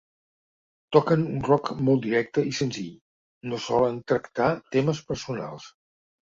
Toquen un rock molt directe i senzill, i no solen tractar temes personals.